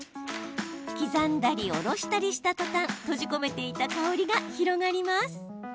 刻んだり、おろしたりしたとたん閉じ込めていた香りが広がります。